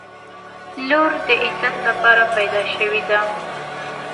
• لور د عزت لپاره پیدا شوې ده.